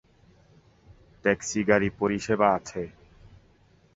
Taxi, গাড়ী পরিসেবা আছে।